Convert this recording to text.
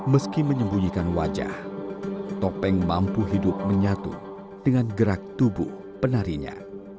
meski menyembunyikan wajah topeng mampu hidup menyatu dengan gerak tubuh penarinya